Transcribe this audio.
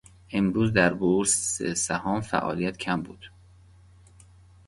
امروز در بورس سهام فعالیت کم بود.